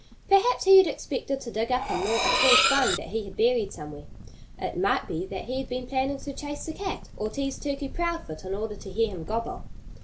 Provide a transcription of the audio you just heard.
Perhaps he had expected to dig up and gnaw a choice bone that he had buried somewhere. It might be that he had been planning to chase the cat, or tease Turkey Proudfoot in order to hear him gobble.